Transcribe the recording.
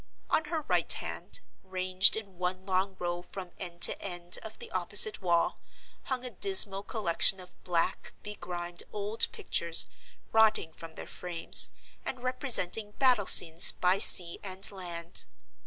On her right hand, ranged in one long row from end to end of the opposite wall, hung a dismal collection of black, begrimed old pictures, rotting from their frames, and representing battle scenes by sea and land.